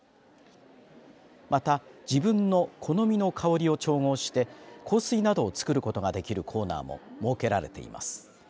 また、自分の好みの香りを調合して香水などを作ることができるコーナーも設けられています。